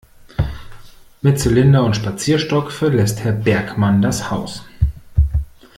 Mit Zylinder und Spazierstock verlässt Herr Bergmann das Haus.